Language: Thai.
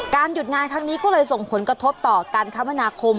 หยุดงานครั้งนี้ก็เลยส่งผลกระทบต่อการคมนาคม